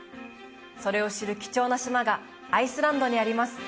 それを知る貴重な島がアイスランドにあります